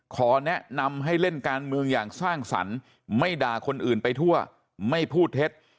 ขอแนะนำให้เล่นการเมืองอย่างสร้างสรรค์ไม่ด่าคนอื่นไปทั่วไม่พูดเท็จ